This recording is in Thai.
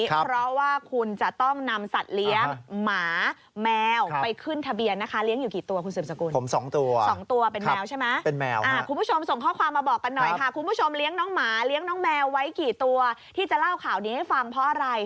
เพราะว่าคุณจะต้องนำสัตว์เลี้ยงหมาแมวไปขึ้นทะเบียนนะคะ